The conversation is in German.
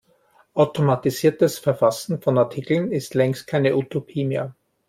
Automatisiertes Verfassen von Artikeln ist längst keine Utopie mehr.